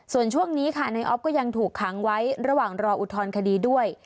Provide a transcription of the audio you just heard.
ส่วนช่วงนี้ค่ะในออฟก็ยังถูกค้างไว้ระหว่างรออุทธรณคดีด้วย